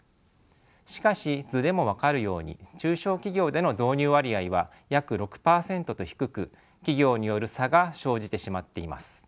しかし図でも分かるように中小企業での導入割合は約６％と低く企業による差が生じてしまっています。